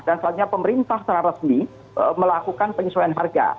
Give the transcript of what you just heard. dan soalnya pemerintah secara resmi melakukan penyesuaian harga